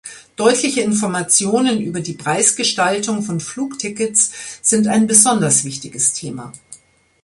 Deutliche Informationen über die Preisgestaltung von Flugtickets sind ein besonders wichtiges Thema.